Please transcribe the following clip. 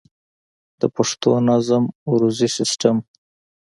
د پښتو نظم عروضي سيسټم